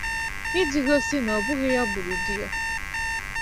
iji gosi na ọ bụghị ya gburu di ya